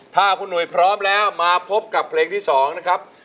ถ้าคุณหนุ่ยพร้อมแล้วมาพบกับเพลงที่๒นะครับ